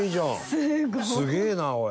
すげえなおい。